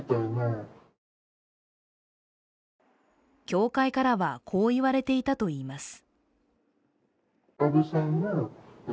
教会からは、こう言われていたといいます。